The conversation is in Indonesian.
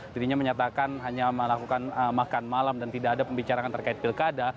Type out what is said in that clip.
dirinya menyatakan hanya melakukan makan malam dan tidak ada pembicaraan terkait pilkada